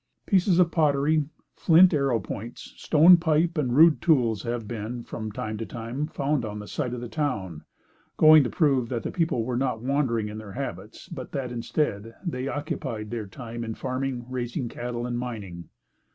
Pieces of pottery, flint arrow points; stone pipe and rude tools have been, from time to time, found on the site of the town, going to prove that the people were not wandering in their habits, but that instead, they occupied their time in farming, raising cattle and mining.